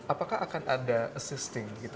apakah akan ada assisting